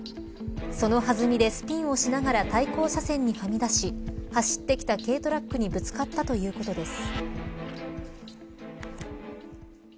その弾みで、スピンをしながら対向車線にはみ出し走ってきた軽トラックにぶつかったということです。